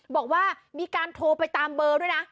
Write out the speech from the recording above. บอกว่ามีการโทรไปตามเบอร์ด้วยนะ